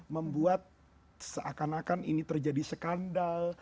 membuat seakan akan ini terjadi skandal